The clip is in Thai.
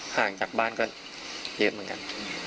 ห่างจากบ้านก็เยอะเหมือนกัน